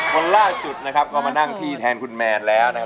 คนล่าสุดนะครับก็มานั่งที่แทนคุณแมนแล้วนะครับ